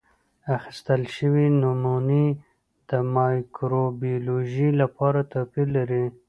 اخیستل شوې نمونې د مایکروبیولوژي لپاره توپیر لري.